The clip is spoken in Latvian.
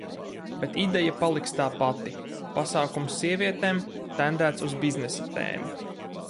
Bet ideja paliks tā pati, pasākums sievietēm, tendēts uz biznesa tēmu.